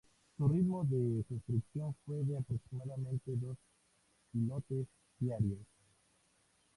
Su ritmo de construcción fue de aproximadamente dos pilotes diarios.